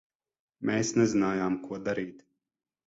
Mēs nezinājām, ko darīt.